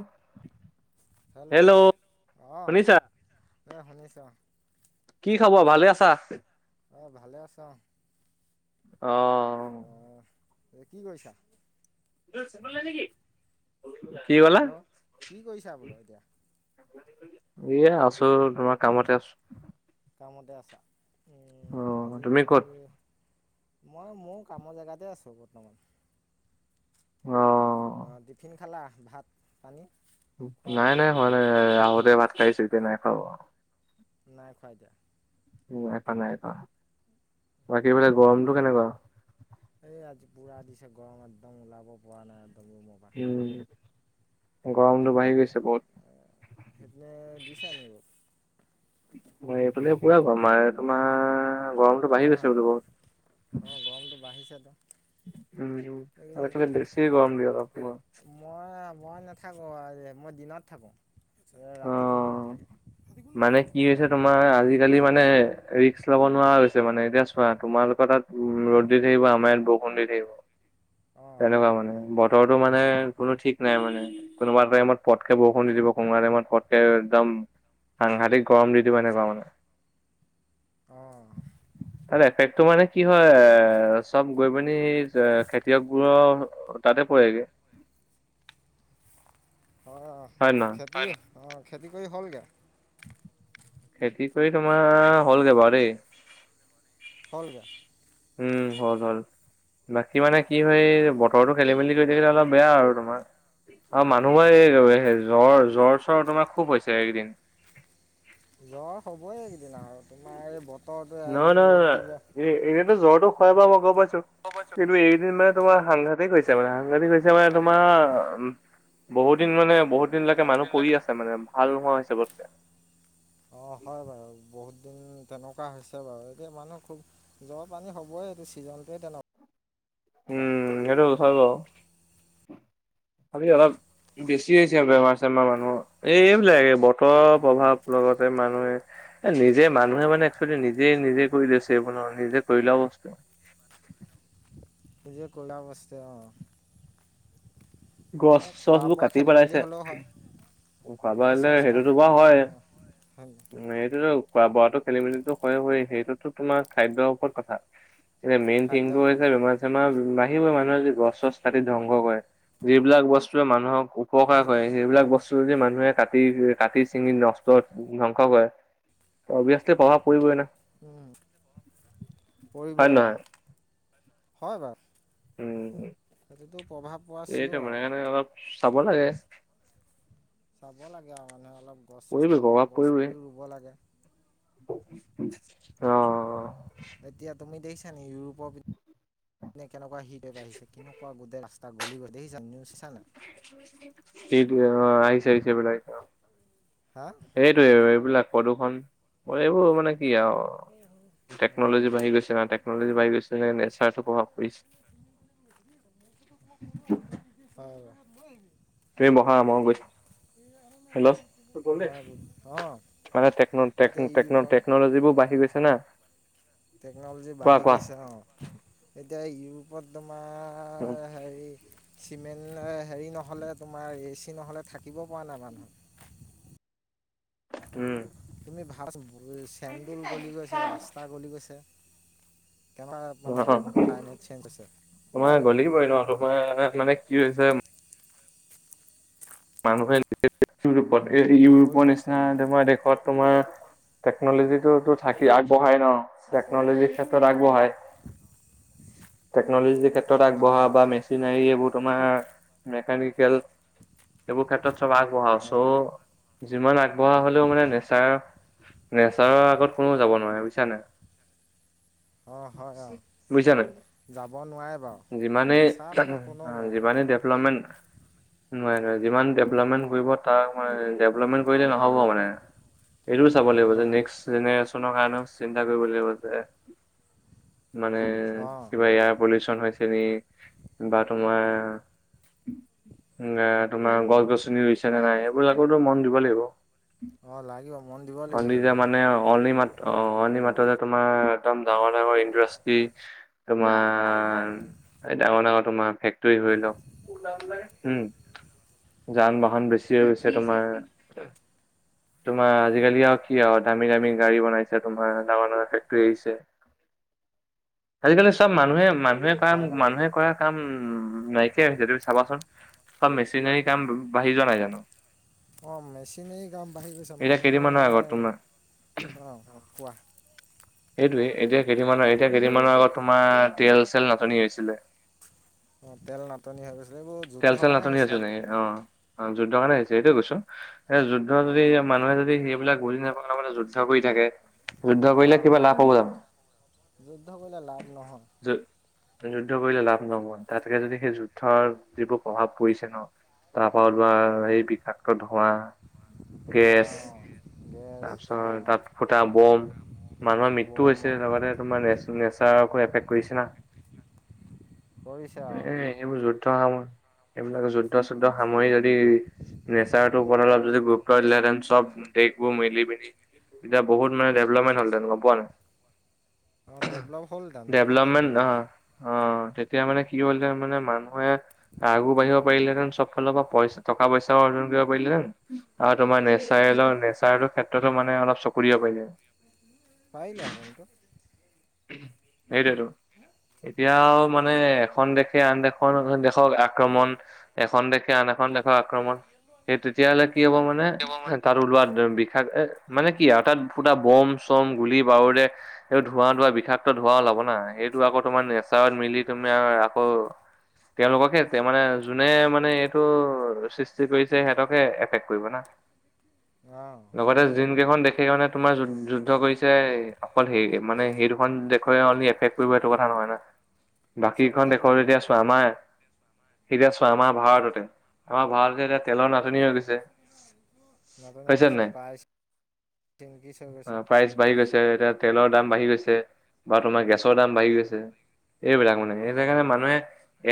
উ [inaudible] হেল্ল', অ, এই শুনিছো। কি খবৰ ভালে আছা? আহ, ভালে আছা? অ অ'। এ কি কৰিছা? চমল নাই নেকি? হেল্ল', কি কৰিছা বোলো এতিয়া? এ আছো তোমাৰ কামতে আছো। কামতে আছা অ আজি তুমি ক'ত মই মোৰ কামৰ জেগাতে আছো বৰ্তমান। অ', অ, টিফিন খালা ভাত পানী? খোৱা হ'ল নাই- নাই হোৱা নাই আহোতে ভাত খাইছে এতিয়া নাই খাব। নাই খোৱাদা উম, এক নাই - এক বাকী বোলে খোৱা গৰমটো কেনেকুৱা? পুৰা দিছে গৰম একদম ওলাব পৰা নাই। একদম ৰুমৰ পৰা উম, গৰমটো সেইপিনে বাঢ়ি গৈছে বহুত সেইপিনে দিছে আনি অ মই এইফালে পুৰা ম তোমাৰ গৰমটো বাঢ়ি অঁ গৈছে বোল বহত। অঁ গৰমটো বাঢ়িছেতো উম, আজিকালি বেছি গৰম দিয়ে অলপ [unintelligible] মই মই নাথাকোঁ আজি, মই দিনত থাকো ৰাতি কোনো অ নাথাকে। কোনো মানে নাথাকে? কি কোনো হৈছে নাথাকে তোমাৰ আজিকালি মানে ৰিস্ক লব নোৱাৰা হৈছে। মানে এতিয়া চোৱা, তোমালোকৰ তাত ৰ'দ দি থাকিব আমাৰ ইয়াত বৰষুণ দি থাকিব। অঁ হয় তেনেকুৱা বাৰু মানে, বতৰটো মানে অঁ কোনো ঠিক নাই মানে কোনোবা টাইমত পটকে বৰষুণ দি দিব এটা টাইমত পতকে একদম সাংঘাটিক গৰম দি দিব এনেকুৱা মানে। অ'। আৰু এফেক্টটো মানে কি হয় চব গৈ পিনি [unintelligible] তাতে পৰেগে। অ, হয় নে নহয়? খেতি অ, খেতি কৰি হ'লগে। খেতি কৰি তোমাৰ হ'লগে বাৰু দেই। হ'লগৈ উম, হল হল। বাকী মানে কি হয় বতৰটো খেলি - মেলি কৰি থাকিলে অলপ বেয়া আৰু তোমাৰ। অ' বেয়া মানুহবৰে আৰু আৰু এই জ্বৰ জ্বৰ চ্বৰ তোমাৰ খুব হৈছে এইকদিন। জ্বৰ হ'বই এইকেইদিন আৰু তোমাৰ এই বতৰটো এদিন ৰ'দ দিব। জ্বৰো হয় বা মই গম পাইছো কিন্তু এইদিন মানে তোমাৰ সাংঘাটিক হৈছে মানে সাংঘাটিক হৈছে। মানে তোমাৰ উম বহুত দিন মানে বহুত দিন লৈকে মানুহ পৰি আছে মানে। ভাল নোহোৱা হৈছে চবতকে। উম, তেনেকুৱা হৈছে বাৰু এতিয়া মানুহ খুব জ্বৰ পানী হ'বই এইটো ছিজনটোৱে তেনেকুৱা। উম, সেইটো চ খালি অলপ। বেছি হৈছে বেমাৰ চেমাৰ মানুহৰ এইবিলাক বতৰ প্ৰভাৱ লগতে মানুহে। এ নিজে মানুহে মানে একচুৱেলি নিজে- নিজে কৰি লৈছে এইবোৰ ন নিজে কৰি লোৱা বস্তু। [inaudible] নিজে কৰি লোৱা বস্তু। গছ- খোৱা চছবোৰ বোৱা কাটি খেলি মেলি পেলাইছে। হ'লেও হয় খোৱা বোৱা গছ হলে চছ সেইটো কাটি তেনেকুৱা পেলাইছে হয় অঁ উম সেইটোতো খোৱা বোৱাত। খেলি মেলিটো হয় হয় সেইটোতো তোমাৰ খাদ্যৰ ওপৰত কথা। এতিয়া মেইন থিং টো খাদ্য হৈছে বেমাৰ চেমাৰ নাহিবই মানুহে যদি গছ চছ কাটি ধ্বংস কৰে। যিবিলাক বস্তুেই মানুহক মই উপকাৰ কৰে সেইটো সেইবিলাক বস্তু যদি মানুহে কাটে কাটি চিঙি নষ্ট ধ্বংস কৰে অভিয়াচলি প্ৰভাৱ পৰিবই না। উম, পৰিব হয় অ নে নহয়? হয় বাৰু। উম, সেইটোতো প্ৰভাৱ পোৱা এইটো চিঞ'ৰ মানে আৰু। সেইকাৰণে অলপ চাব লাগে। চাব লাগে আৰু মানুহে অলপ গছ চছ পৰিবই প্ৰভাৱ কমকৈ গছ পৰিবই। পুলিও ৰুব লাগে। [inaudible] অ', এতিয়া তুমি দেখিছা নেকি ইউৰোপৰ কেনেকুৱা [unintelligible] বাঢ়িছে কেনেকুৱা গোটেই ৰাস্তা গলি [unintelligible] সেইটোৱে অ, আহিছে আহিছে [unintelligible] হা সেইটোৱে এইবিলাক প্ৰদূষণ, এইবোৰ মানে কি আৰু, অঁ টেকন'লজি বাঢ়ি গৈছে না টেকনলজি বাঢ়ি গৈছে [unintelligible] [unintelligible] প্ৰভাৱ পৰিছে। [unintelligible] তুমি বহা মই গৈ থাকোঁ। [unintelligible] অ', মানে টেকন'-টেকনোলজিবোৰ বাঢ়ি গৈছে না। টেকনলজি কোৱা বাঢ়ি কোৱা গৈছে অ, এতিয়া ইউৰোপত একদম চিমেণ্ট হেৰি নহ'লে তোমাৰ এ চি নহ'লে থাকিব পৰা নাই মানুহ। [inaudible] উম, তুমি ভাল চেন্দুল গলি গৈছে ৰাস্তা গলি গৈছে। কেনেকুৱা মানে অ', ক্লাইমেট চেঞ্জ হৈছে হয় তোমাৰ নাই গলে কি [unintelligible] পৰি নো তোমাৰ মানে কি হৈছে মানুহে ইউৰোপত, এই কৰি ইউৰোপৰ লৈছে নিচিনা অঁ তোমাৰ দেশত তোমাৰ টেকনলজি টো থাকি আগবঢ়াই ন, টেকনলজিৰ ক্ষেত্ৰত আগবঢ়াই। টেকন'লজিৰ ক্ষেত্ৰত আগবঢ়া বা মেচিনাৰী এইবোৰ তোমাৰ মেকানিকেল সেইবোৰ ক্ষেত্ৰত চব আগবঢ়াও হয় চ', যিমান আগবঢ়া হলেও মানে নেচাৰ নেচাৰৰ আগত কোনোও যাব নোৱাৰে বুজিছা নে নাই। অঁ হয় অঁ বুজিছা না নাই। যাব নোৱাৰে বাৰু যিমানে, নেচাৰ লগত কোনেও নোৱাৰে যিমান ডেভলপমেণ্ট নোৱাৰী নোৱাৰী। যিমান ডেভলপমেণ্ট কৰিব তাক ডেভলপমেণ্ট কৰিলে নহ'ব মানে। এইটোও চাব লাগিব যে নহয় নেক্সট জেনেৰেশ্যনৰ কাৰণেও চিন্তা কৰিব লাগিব যে মানে অঁ কিবা এয়াৰ পলিউচন হ চেন বা তোমাৰ গাত তোমাৰ গছ গছনি ৰুইছে নে নাই, সেইবিলাকো মন দিব লাগিব। অঁ লাগিব মন দিব লাগিব আজি [unintelligible] সেইবোৰতো মানে অণি মাত, অ' অণি মাত তোমাৰ একদম ডাঙৰ-ডাঙৰ ইণ্ডাষ্ট্ৰি, তোমাৰ এই ডাঙৰ-ডাঙৰ তোমাৰ ফেক্টৰী ধৰি লক, হম। যান বাহন বেছি হৈছে তোমাৰ তোমাৰ আজিকালি আৰু কি আৰু দামী-দামী গাড়ী বনাইছে তোমাৰ, ডাঙৰ-ডাঙৰ ফেক্টৰী আহিছে। আজিকালি চব মানুহে, মানুহে কাম, হয় হয়। মানুহে কৰা কাম উম নাইকিয়া হৈছে তুমি চাবাচোন, কাৰণ মেচিনোৰী কাম বাঢ়ি যোৱা নাই জানো। অ' মেচিনেৰী গাম [inaudible] বাঢ়ি গৈছে এতিয়া মানুহ কেইদিনমানৰ মানে আগত তোমাৰ ৰ, কোৱা সেইটোৱে, ‌এতিয়া কেইদিনমানৰ, এতিয়া কেইদিনমানৰ আগত তোমাৰ তেল চেল নাটনি হৈছিলে। অ' তেল নাটনি হৈ গৈছিল, এইবোৰ তেল যুদ্ধৰ চেল কাৰণে নাটনি আছে হৈছে। নেকি অ অ', যুদ্ধৰ কাৰণে হৈছে, সেইটোয়ে কৈছো, সে যুদ্ধ অঁ যদি, মানুহে যদি যোন বিলাক বুজি যুদ্ধ কৰি থাকে, যুদ্ধ কৰিলে অঁ কিবা লাভ হ'ব জানো যুদ্ধ কৰিলে লাভ নহয়। যু যুদ্ধ কৰিলে লাভ নহয়, তাতকে যদি সেই যুদ্ধৰ যিবোৰ প্ৰভাৱ পৰিছে ন তাৰ পৰা উলোৱা এই বিষাক্ত [unintelligible] বহ হোৱা, ধোৱা গেছ, অঁ গেছ তাৰপিছত, অঁ তাত ফুটা বম মানুহৰ মৃত্যু বম হৈছে [unintelligible] তোমাৰ নেচাৰকো এফেক্ট কৰিছে না। কৰিছে এ অ, এইবোৰ যুদ্ধ স, এইবিলাক যুদ্ধ চুদ্ধ সামৰি যদি নেচাৰটোৰ ওপৰত অলপ যদি গুৰুত্ব দিলেঁতেন, চব দেখবো মিলি মেলি এতিয়া বহুত মানে ডেভেলপমেণ্ট হলতে গম পোৱা নাই। অ', ডেভলপ হ'ল তাত, বহুত ডেভলপ ডেভেলপমেণ্ট হ'ল অ তাত। অ তেতিয়া মানে কি হল তাৰ মানে মানুহে আগ বাঢ়িব পাৰিলেতেনব ফালৰ পৰা পইচা টকা পইচাও অৰ্জন কৰিব পাৰিলেতেন আৰু তোমাৰ নেচাই [unintelligible] নেচাৰৰ ক্ষেত্ৰতো মানে অলপ চকু দিব পাৰিলে। পাৰিলে হেতেন টো। সেইটোয়েতো, এতিয়াও মানে এখন দেশে আন দেশৰ দেশ [unintelligible] আক্ৰমণ এখন দেশে আন এখন দেশ আক্ৰমণ, সেই তেতিয়াহ'লে কি হ'ব মানে, তাৰ ওলোৱা বিষাক এ মানে কি আৰু তাত পুটা বম-চম গুলি বাৰুদে ধোঁৱা [unintelligible] বিষাক্ত ধোৱা ওলাব না, সেইটো আকৌ তোমাৰ নেচাৰত মিলি, তুমি আৰু আকৌ তেওঁলোককে মানে, যোনে মানে এইটো সৃষ্টি কৰিছে সিহঁতকে এফেক্ট কৰিব না। অ লগতে যিন কৰিবতো কেইখন দেখেই কাৰণে তোমাৰ যু যুদ্ধ কৰিছে [unintelligible] অকল হেৰি মানে সেই দুখন দেশৰ এফেক্ট কৰিব সেইটো কথা নহয় ন। বাকীখন চবতে দেশৰ কৰিব এতিয়া চোৱা আমাৰ এতিয়া চোৱা আমাৰ ভাৰততে, আমাৰ ভাৰততে এতিয়া তেলৰ নাাটনি হৈ গৈছে। নতুন হৈছে গৈছে নাই পাই চ কি চ গৈছ প্ৰাইচ বাঢ়ি [unintelligible] গৈছে এতিয়া তেলৰ দাম বাঢ়ি গৈছে বা তোমাৰ গেছৰ দাম বাঢ়ি গৈছে। এইবিলাক মানে অ এই যে কাৰণ মানুহে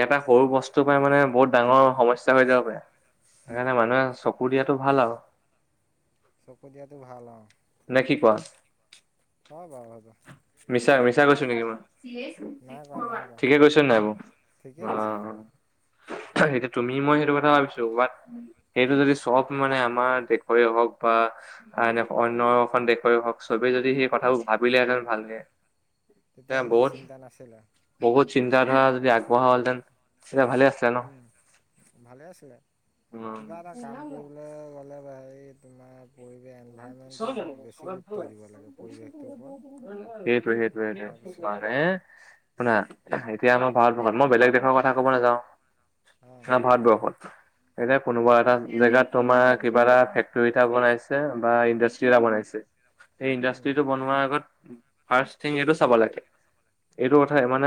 এটা সৰু বস্তু পৰাই মানে বহুত ডাঙৰ সমস্যা হৈ যাব পাৰে। সেইকাৰণে মানুহে চকু দিয়াতো ভাল আৰু। চকু দিয়াতো ভাল আৰু। নে কি কোৱা হয় বাৰু হয় ব মিছা মিছা কৈছো নেকি মই। নাই কোৱা নাই [unintelligible] কোৱা ঠিকে কৈছো নাই বাৰু ঠিকেই অ, কৈছা অ। এতিয়া তুমি মই সেইটো কথা ভাবিছো বাট সেইটো যদি চব মানে আমাৰ দেশৰে হওক বা আনে অন্যখন দেশৰে হওক চবেই যদি সেই কথাবোৰ ভাবিলেহেঁতেন। ভালকে। তেতিয়া ইমান চিন্তা নাছিলে। চিন্তাধাৰা যদি আগবঢ়া হ'ল হেতেন। উম, ভালে আছিলে উম কিবা এটা কাম কৰিবলৈ গ'লে হেৰি সেই [inaudible] তোমাৰ পৰিৱেশ [unintelligible] এনভাইৰমেণ্টটোৰ ওপৰত সেইটো বেছি গুৰুত্ব দিব লাগে পৰিৱেশটোৰ ওপৰত সেইটোইটো। তাৰপিছতে এ শুনা, এতিয়া আমই ভাৰতবৰ্ষত মই বেলেগ দেশৰ কথা কব নাযাও অঁ আৰু ভাৰতবৰ্ষত এতিয়া কোনোবা এটা জেগাত তোমাৰ কিবা এটা ফেক্টৰী এটা বনাইছে। বা ইণ্ডাষ্ট্ৰি এটা বনাইছে সেই ইণ্ডাষ্ট্ৰি টো বনোৱাৰ আগত ফাৰ্ষ্ট থিং এইটো চাব লাগে। এইটো কথা মানে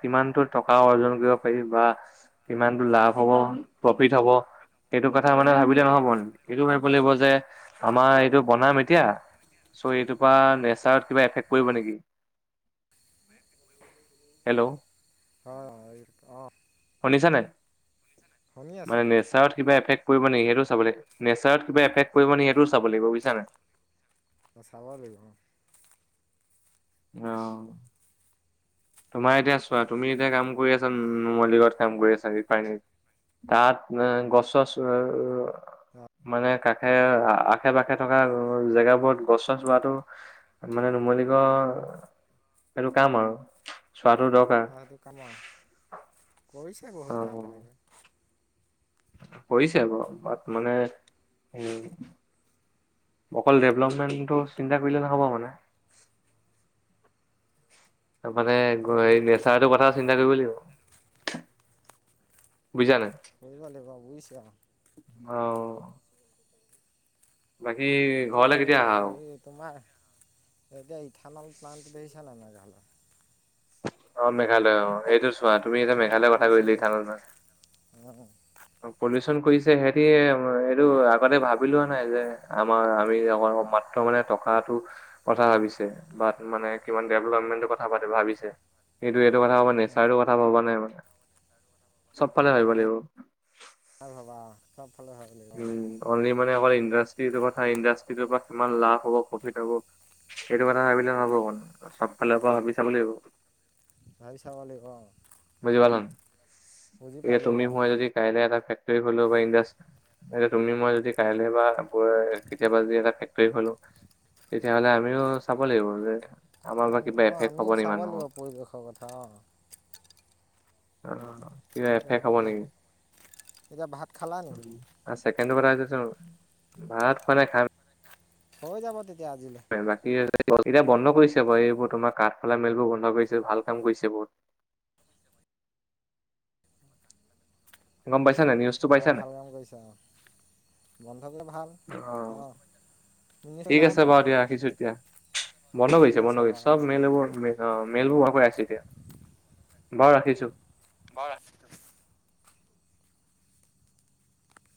কিমানটো টকা অৰ্জন কৰিব পাৰি বা কিমানতটো লাভ হ'ব। অ, প্ৰফিট হ'ব। এইটো কথা মানে অঁ ভাবিলে নহব এইটো ভাবিব লাগিব যে আমাৰ এইটো বনাম এতিয়া চ' এইটোৰ পৰা অঁ নেচাৰত কিবা এফেক্ট কৰিব নেকি? হেল্ল' হয় অঁ শুনিছা নাই। শুনি আছোঁ মানে নেচাৰত কিবা এফেক্ট কৰিব নেকি সেইটো চাব নেচাৰত কিবা এফেক্ট কৰিব নে চাব লাগিব বুজছানে অ' চাব লাগিব। আহ, তোমাৰ এতিয়া চোৱা তুমি এতিয়া কাম কৰি আছা নুমলী গড়ত কাম কৰি আছা ৰিফাইনেৰীত তাত গছ চছ মানে কাষে অঁ আশে পাশে। থকা জেগাবোৰত গছ চছ ৰোৱাটো মানে নুমলিগড় সেটো কাম আৰু। চোৱাটো দৰকাৰ অ, সেইটো কামৰ কৰিছে বহুত কাম তেনেকৈ। পৰিছে বাৰ বাট মানে উম অকল ডেভলপমেণ্টটো চিন্তা কৰিলে নহ'ব মানে। তাৰ মানে এই নেচাৰটোৰ কথা চিন্তা কৰিব লাগিব। বুজিছা নাই কৰিব লাগিব বুজিছা। অ', বাকী এতিয়া ঘৰলে কেতিয়া আহা আৰু হেৰি তোমাৰ সেই তিয়া থানল প্লানটো দেখিচালনে নাই বাৰু। অ, মেঘালয় অ এইটো চোৱা তুমি এতিয়া কিমান মেঘালয় কথা কৈ পলিউশ্যন এই থান কৰিছে নাই [unintelligible] পলিচন কৰিছে সিহতি এইটো আগতে ভাবি লোৱা নাই যে আমাৰ আমি অকল অ' মাত্ৰ মানে টকাতো কথা ভাবিছে বা মানে কিমান ডেভলপমেণ্টৰ কথা ভাবিছে সেইটো এইটো কথা ভবা নেচাৰটোৰ কথা ভবা নাই মই চবফালে ভাবিব লাগিব। আৰু ভাবা চব উম, অনলি মানে অকল ইণ্ডাষ্ট্ৰিটোৰ কথা ইণ্ডাষ্ট্ৰিটোৰ কথা কিমান লাভ হ'ব কফিট হব সেইটো কথা ভাবিলে নহব মানে চব ফালৰ পৰা ভাবি চাব লাগিব। ভাবি চাবা লাগিব অ, এয়া তুমি মই যদি কাইলৈ এটা ফেক্টৰী খলি ল'ব পাৰিলহৈ [unintelligible] এয়া তুমি মই যদি কাইলৈ বা পৰহিলৈ কেতিয়াবা যদি এটা ফেক্টৰী খলো? তেতিয়া হ'লে আমিও চাব লাগিব যে আমাৰ বা কিবা অ' এফেক্ট হ'ব আমিও নেকি চাব মানুহৰ লাগিব পৰিৱেশৰ কথা, অ'। অ' কিবা এফেক্ট হব এতিয়া নেকি? এতিয়া ভাত খালা নি [unintelligible] সেইটো কথা, ভাত খোৱা নাই খাম। হৈ যাব তিতি হয় বাকী। এতিয়া বন্ধ কৰিছে বাৰু এইবোৰ তোমাৰ কাঠফালা মিল বোৰ বন্ধ কৰিছে, ভাল কাম কৰিছে বহুত। [inaudible] গম পাইছা নাই, নিউজটো পাইছা নাই? বন্ধকে ভাল অ, ঠিক আছে বাৰু দিয়া ৰাখিছো এতিয়া, বন্ধ ঠিক কৰিছে আছে বন্ধ কৰিছে, বাৰু অ চব মেলবোৰ মে অ [unintelligible] এতিয়া, বাৰু ৰাখিছো। বহ ৰাখ